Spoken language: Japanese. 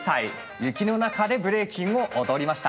雪の中でブレイキンを踊りました。